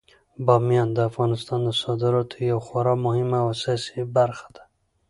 بامیان د افغانستان د صادراتو یوه خورا مهمه او اساسي برخه ده.